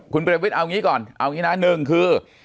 คุณเปรมวิทย์เอาอย่างนี้ก่อนเอาอย่างนี้นะหนึ่งคือ